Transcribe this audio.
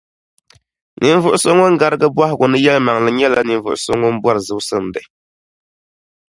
Ninvuɣ’ so ŋun garigi bɔhigu ni yɛlimaŋli nyɛla ninvuɣ’ so ŋun bɔri zɔsimdi.